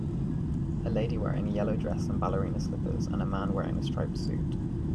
A lady wearing a yellow dress and ballerina slippers, and a man wearing a striped suit.